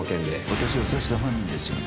私を刺した犯人ですよね。